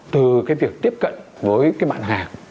từ việc tiếp cận với bạn hàng